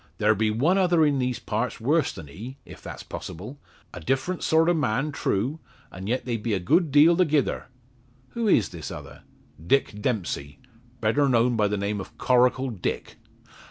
"There be one other in these parts worse than he if that's possible. A different sort o' man, true; and yet they be a good deal thegither." "Who is this other?" "Dick Dempsey better known by the name of Coracle Dick."